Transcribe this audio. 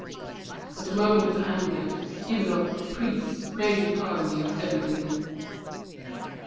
But a moment of anger, even a caprice, may deprive me of everything."